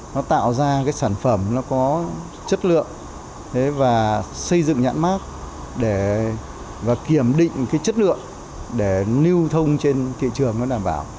nó tạo ra cái sản phẩm nó có chất lượng và xây dựng nhãn mát và kiểm định cái chất lượng để lưu thông trên thị trường nó đảm bảo